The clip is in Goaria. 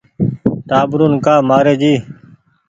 ٽآٻرون ڪآ مآري جي